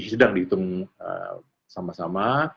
sedang dihitung sama sama